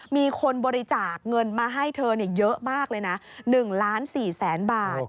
มีคนบริจาคเงินมาให้เธอเยอะมากเลยนะ๑ล้าน๔แสนบาท